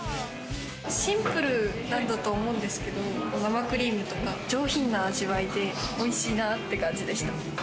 シンプルなんだと思うんですけど、生クリームとか上品な味わいで美味しいなって感じでした。